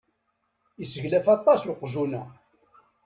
Iseglaf aṭas uqjun-a.